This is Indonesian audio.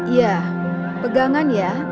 ya pegangan ya